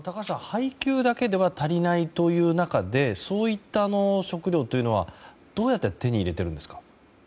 配給だけでは足りないという中でそういった食料というのはどうやって手に入れているんですか？